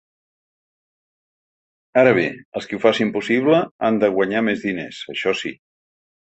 Ara bé, els qui ho facin possible han de guanyar més diners, això sí.